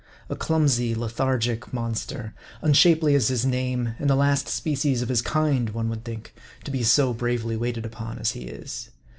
A clumsy lethargic monster, un shapely as his name, and the last species of his kind, one would think, to be so bravely waited upon, as he is.